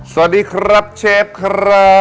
สวัสดีครับเชฟครับ